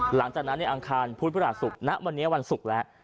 หลังจากนั้นในอังคารพุธพระราชศุกร์ณวันนี้วันศุกร์แล้ว